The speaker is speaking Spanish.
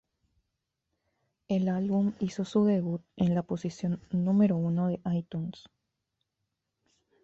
El álbum hizo su debut en la posición número uno en iTunes.